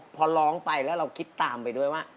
พอร้องไปแล้วเราคิดตามไปด้วยว่า